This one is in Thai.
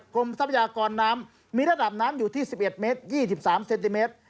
ทรัพยากรน้ำมีระดับน้ำอยู่ที่๑๑เมตร๒๓เซนติเมตร